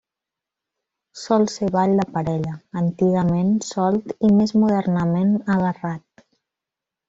Sol ser ball de parella, antigament solt i més modernament agarrat.